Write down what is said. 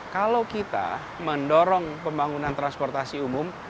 kalau kita mendorong pembangunan transportasi umum